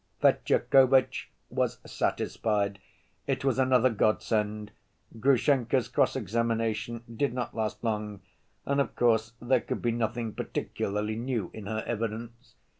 Fetyukovitch was satisfied: it was another godsend. Grushenka's cross‐examination did not last long and, of course, there could be nothing particularly new in her evidence.